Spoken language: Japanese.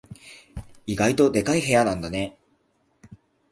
意外とでかい部屋なんだね。